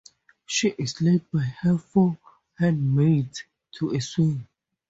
She is led by her four handmaids to a swing.